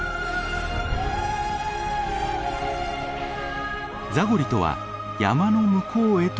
ザゴリとは山の向こうへという意味。